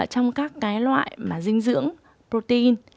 trong các loại dinh dưỡng protein